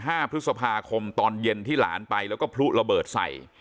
ห้าพฤษภาคมตอนเย็นที่หลานไปแล้วก็พลุระเบิดใส่